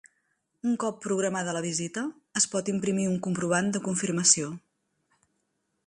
Un cop programada la visita, es pot imprimir un comprovant de confirmació.